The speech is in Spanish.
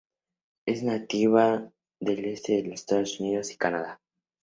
Es nativa del este de Estados Unidos y Canadá.